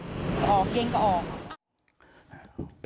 ก็ออกเย็นก็ออก